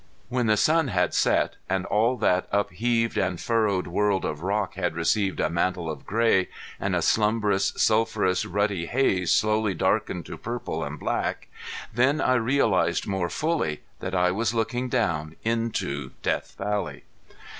When the sun had set and all that upheaved and furrowed world of rock had received a mantle of gray, and a slumberous sulphurous ruddy haze slowly darkened to purple and black, then I realized more fully that I was looking down into Death Valley.